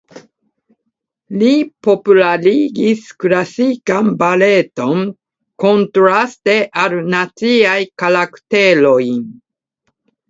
Li popularigis klasikan baleton kontraste al naciaj karakterojn.